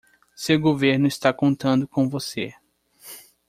Seu governo está contando com você.